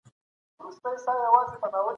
ارغنداب د وطن زړه دی.